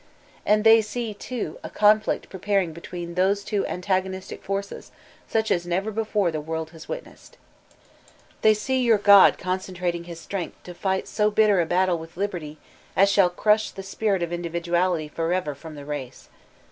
And they see, too, a conflict preparing between those two antagonistic forces soch as Thb Dbama op thb Ninstbbmth Cbhtuiy 401 never before the world has witnessed They see yooi God concentrating his strength to fight so bitter a tattle with Liberty as shall crush the spirit of individnality for ever from the race.